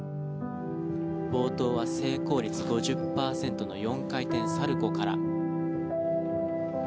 冒頭は成功率５０％の４回転サルコウから。